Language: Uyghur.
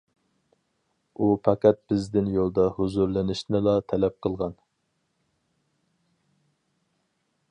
ئۇ پەقەت بىزدىن يولدا ھۇزۇرلىنىشنىلا تەلەپ قىلغان.